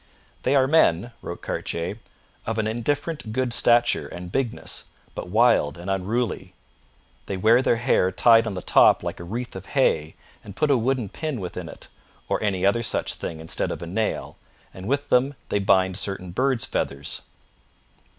'They are men,' wrote Cartier, 'of an indifferent good stature and bigness, but wild and unruly. They wear their hair tied on the top like a wreath of hay and put a wooden pin within it, or any other such thing instead of a nail, and with them they bind certain birds' feathers.